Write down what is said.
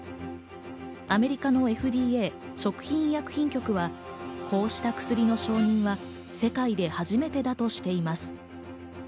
アメリカのＦＤＡ＝食品医薬品局はこうした薬の承認は世界で初めてだとしています。